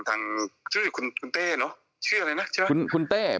ทำไมมีชื่อชื่อคุณเต้เค้า